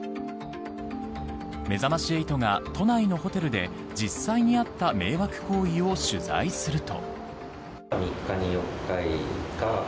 めざまし８が都内のホテルで実際にあった迷惑行為を取材すると。